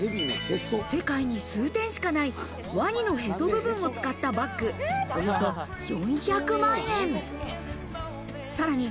世界に数点しかないワニのへそ部分を使ったバッグ、およそ４００万円。